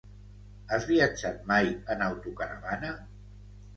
Has viajat mai en autocaravana?